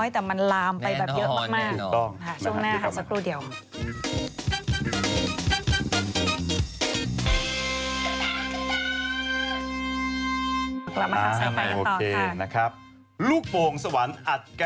ถูกต้องค่ะ